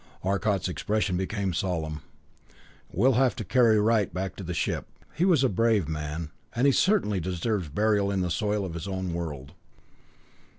Arcot's expression became solemn. "We'll have to carry Wright back to the ship. He was a brave man, and he certainly deserves burial in the soil of his own world.